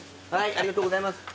ありがとうございます。